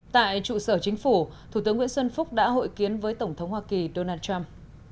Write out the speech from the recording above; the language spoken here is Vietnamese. tại trụ sở chính phủ thủ tướng nguyễn xuân phúc đã hội kiến với tổng thống hoa kỳ donald trump